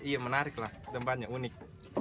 iya menarik lah tempatnya unik